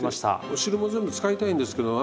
お汁も全部使いたいんですけど